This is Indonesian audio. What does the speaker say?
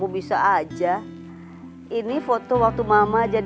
erti kok mbakuka raymond